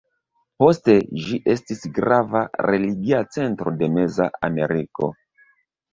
Poste ĝi estis grava religia centro de Meza Ameriko.